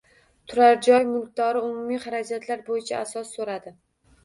Turar joy mulkdori umumiy xarajatlar bo'yicha asos so'radi.